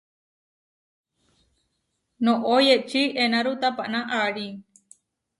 Noʼó yeči enáru tapaná aarí.